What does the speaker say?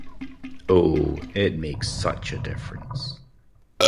Oh, it makes such a difference.